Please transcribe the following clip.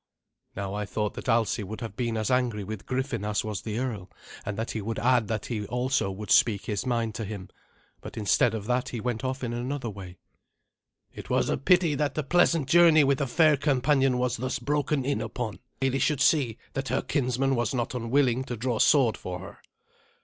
Now I thought that Alsi would have been as angry with Griffin as was the earl, and that he would add that he also would speak his mind to him, hut instead of that he went off in another way. "It was a pity that a pleasant journey with a fair companion was thus broken in upon. But it was doubtless pleasant that the lady should see that her kinsman was not unwilling to draw sword for her.